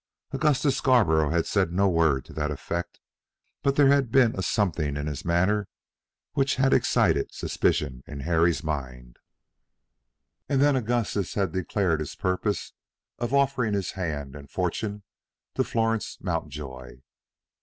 Augustus Scarborough had said no word to that effect, but there had been a something in his manner which had excited suspicion in Harry's mind. And then Augustus had declared his purpose of offering his hand and fortune to Florence Mountjoy.